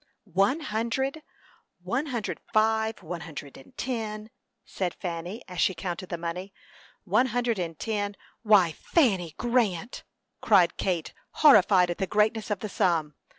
"One hundred, one hundred five, one hundred and ten," said Fanny, as she counted the money; "one hundred and ten " "Why, Fanny Grant!" cried Kate, horrified at the greatness of the sum.